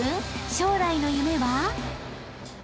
将来の夢は？］